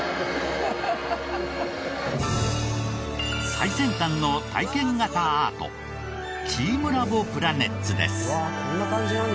最先端の体験型アートチームラボプラネッツです。